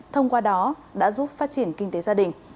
thông qua đó đã giúp phát triển kinh tế gia đình